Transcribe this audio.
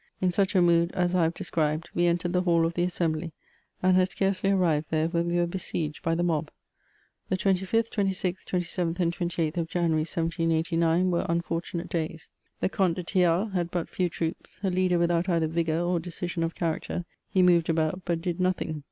In such a mood as I have described, we entered the hall of the assembly, and had scarcely arrived there when we were besieged by the mob. The 25th, 26th, 27th, and 28lli of January, 1789, were unfortunate days. The Comte de Thiard had but few troops ; a leader without eitaer vigour or decision of character, he moved about but did nothing.